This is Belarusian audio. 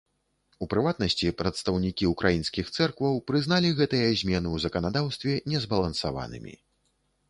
У прыватнасці, прадстаўнікі ўкраінскіх цэркваў прызналі гэтыя змены ў заканадаўстве незбалансаванымі.